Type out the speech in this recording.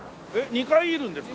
２回煎るんですか？